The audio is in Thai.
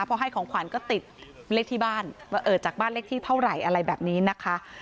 พอให้ของขวัญก็ติดเลขที่บ้านว่าเออจากบ้านเลขที่เท่าไหร่อะไรแบบนี้นะคะ